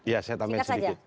ya saya tambahin sedikit